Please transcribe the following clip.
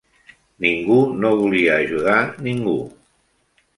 Ningú no volia ajudar ningú.